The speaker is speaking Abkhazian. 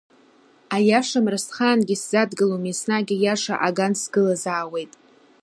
Аиашамра схаангьы сзадгылом, еснагь аиаша аган сгылазаауеит.